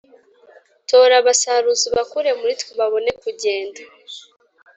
tora abasaruzi, ubakure muri twe babone kugenda,